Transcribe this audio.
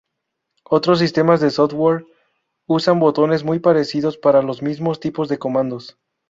Otros sistemas de software usan botones muy parecidos para los mismos tipos de comandos.